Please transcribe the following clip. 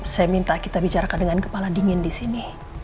saya minta kita bicarakan dengan kepala dingin di sini